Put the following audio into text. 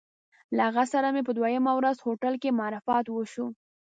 له هغه سره مې په دویمه ورځ هوټل کې معرفت وشو.